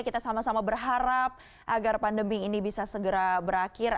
kita sama sama berharap agar pandemi ini bisa segera berakhir